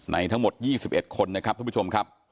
ทั้งหมด๒๑คนนะครับท่านผู้ชมครับ